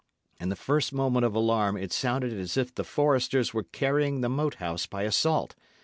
In the first moment of alarm it sounded as if the foresters were carrying the Moat House by assault.